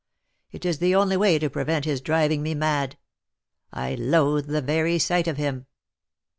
It is the only way to prevent his driving me mad. I loathe the very sight of him."